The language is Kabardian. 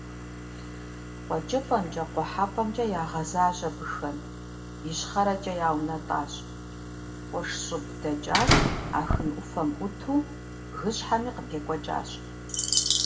КъуэкӀыпӀэмрэ къухьэпӀэмкӀи ягъэзащ абыхэм, ищхъэрэкӀэ яунэтӀащ, къурш щӀыб дэкӀащ, Ахын Ӏуфэм Ӏуту бгыжьхэми къыпекӀуэкӀащ.